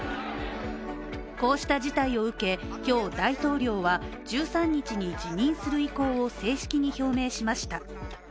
こうした事態を受け、今日大統領は１３日に辞任する意向を正式に表明しました。